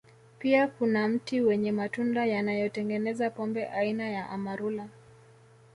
Pia kuna mti wenye matunda yanayotengeneza pombe aina ya Amarula